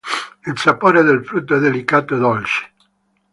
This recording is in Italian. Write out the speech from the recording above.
Il sapore del frutto è delicato e dolce.